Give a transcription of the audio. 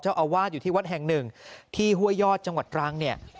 วาดอยู่ที่วัดแห่งหนึ่งที่ห้วยยอดจังหวัดตรังเนี่ย